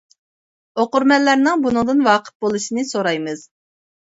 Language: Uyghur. ئوقۇرمەنلەرنىڭ بۇنىڭدىن ۋاقىپ بولۇشىنى سورايمىز.